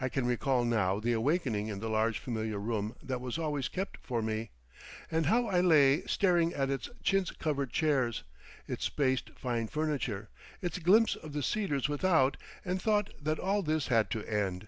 I can recall now the awakening in the large familiar room that was always kept for me, and how I lay staring at its chintz covered chairs, its spaced fine furniture, its glimpse of the cedars without, and thought that all this had to end.